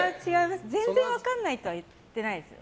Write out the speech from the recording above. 全然分からないとは言ってないです。